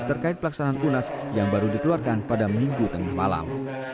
terkait pelaksanaan unas yang baru dikeluarkan pada minggu tengah malam